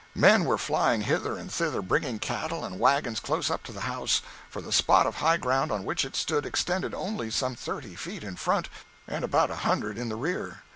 Men were flying hither and thither, bringing cattle and wagons close up to the house, for the spot of high ground on which it stood extended only some thirty feet in front and about a hundred in the rear.